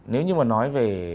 nếu như mà nói về